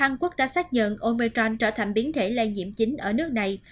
hàn quốc đã xác nhận omechon trở thành biến thể lây nhiễm chính ở nước này